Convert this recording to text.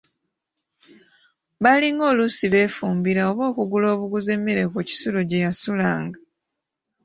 Baalinga oluusi beefumbira oba okugula obuguzi emmere ku kisulo gye yasulanga.